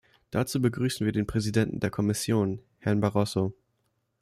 Dazu begrüßen wir den Präsidenten der Kommission, Herrn Barroso.